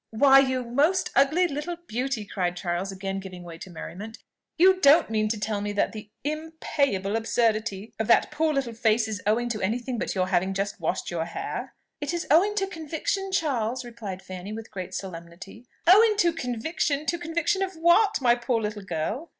"Why, you most ugly little beauty!" cried Charles, again giving way to merriment; "you don't mean to tell me that the impayable absurdity of that poor little face is owing to any thing but your having just washed your hair?" "It is owing to conviction, Charles," replied Fanny with great solemnity. "Owing to conviction? To conviction of what, my poor little girl?"